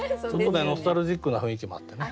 ノスタルジックな雰囲気もあってね。